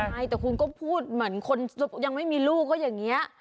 ใช่แต่คุณก็พูดเหมือนคนยังไม่มีลูกก็อย่างนี้